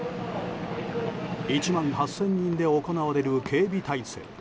１万８０００人で行われる警備態勢。